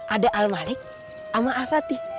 ada al malik sama a fatih